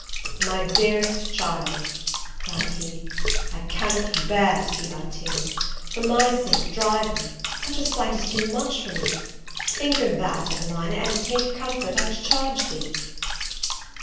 "My dearest child," cried he, "I cannot bear to see thy tears; for my sake dry them: such a sight is too much for me: think of that, Evelina, and take comfort, I charge thee!"